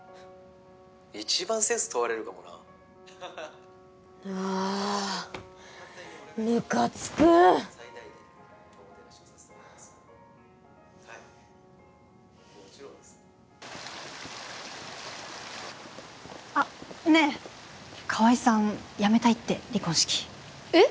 一番センス問われるかもなああームカつくあっねえ河井さんやめたいって離婚式えっ！？